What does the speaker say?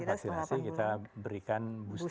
setelah enam bulan vaksinasi kita berikan booster